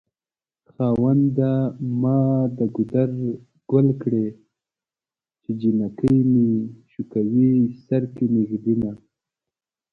خاونده ما د ګودر ګل کړې چې جنکۍ مې شوکوي سر کې مې ږدينه